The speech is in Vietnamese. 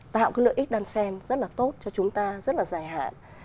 tạo cái lợi ích đàn xem rất là tốt cho chúng ta rất là dài hạn